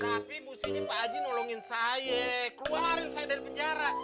tapi mestinya pak haji nolongin saya keluarin saya dari penjara